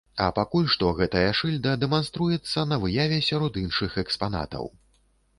А пакуль што гэтая шыльда дэманструецца на выставе сярод іншых экспанатаў.